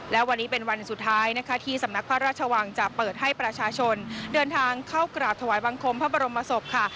และวันนี้เป็นวันสุดท้ายนะคะที่สำนักพระราชวังจะเปิดให้ประชาชนเดินทางเข้ากราบถวายบังคมพระบรมศพค่ะ